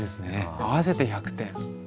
合わせて１００点。